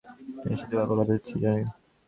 নিশ্চিতভাবে কথা দিচ্ছি, জনি।